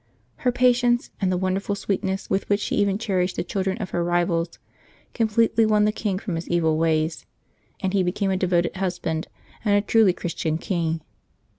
Her patience, and the wonderful sweet ness with which she even cherished the children of her rivals, completely won the king from his evil ways, and he became a devoted husband and a truly Christian king.